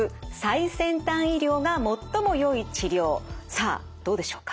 さあどうでしょうか？